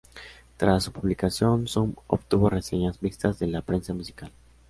Tras su publicación, "Zoom" obtuvo reseñas mixtas de la prensa musical.